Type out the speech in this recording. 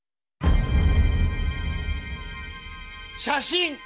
写真！